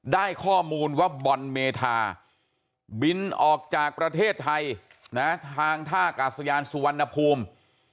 ได้ข้อมูลว่าบอลเมธาบินออกจากประเทศไทยนะทางท่ากาศยานสุวรรณภูมิ